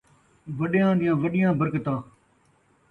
وݙیاں دیاں وݙیاں برکتاں